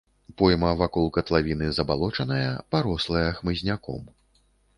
Пойма вакол катлавіны забалочаная, парослая хмызняком.